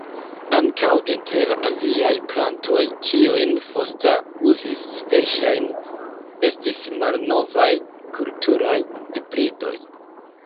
Ankaŭ inter la aziaj plantoj, kiujn Foster uzis verŝajne estis malnovaj kulturaj hibridoj.